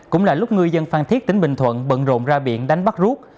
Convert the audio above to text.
cũng là lúc ngư dân phan thiết tỉnh bình thuận bận rộn ra biển đánh bắt rút